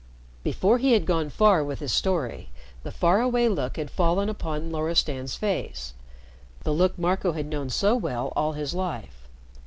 Before he had gone far with his story, the faraway look had fallen upon Loristan's face the look Marco had known so well all his life.